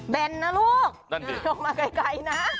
เบลนะลูกหลบมาไกลนะ